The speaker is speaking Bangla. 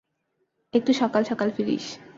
একটু সকাল-সকাল ফিরিস।